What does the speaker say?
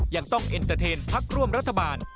ยังต้องเอ็นเตอร์เทนพักร่วมรัฐบาล